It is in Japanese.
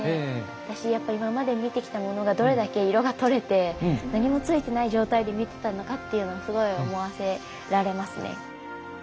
私今まで見てきたものがどれだけ色が取れて何もついてない状態で見てたのかというのがすごい思わせられますね。